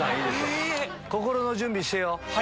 心の準備してよ。